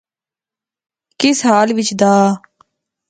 کس حالے وچ دا